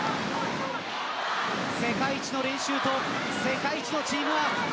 世界一の練習と世界一のチームワーク